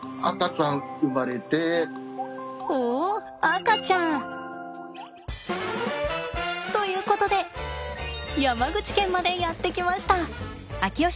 赤ちゃん！ということで山口県までやって来ました。